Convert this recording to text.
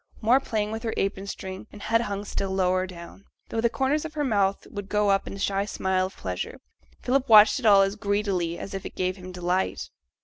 More playing with her apron string, and head hung still lower down, though the corners of her mouth would go up in a shy smile of pleasure. Philip watched it all as greedily as if it gave him delight.